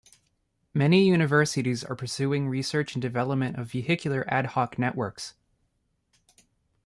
Many universities are pursuing research and development of vehicular ad hoc networks.